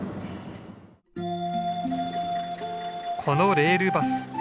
このレールバス